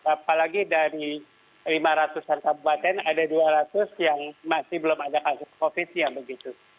apalagi dari lima ratus an kabupaten ada dua ratus yang masih belum ada kasus covid nya begitu